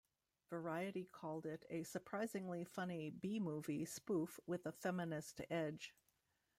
"Variety" called it "a surprisingly funny B-movie spoof with a feminist edge.